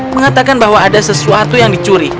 mengatakan bahwa ada sesuatu yang dicuri